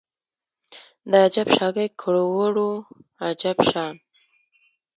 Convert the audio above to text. د اجب شاګۍ کروړو عجب شان